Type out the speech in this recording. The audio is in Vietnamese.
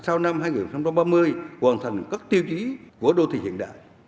trong phát triển thành phố đến năm hai nghìn năm mươi hoàn thành các tiêu chí của đô thị hiện đại